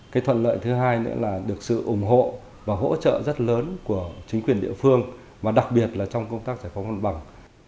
cái thuận lợi thứ hai nữa là được sự ủng hộ và hỗ trợ rất lớn của chính quyền địa phương và đặc biệt là trong công tác giải phóng mặt bằng